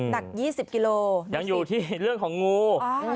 หนัก๒๐กิโลยังอยู่ที่เรื่องของงู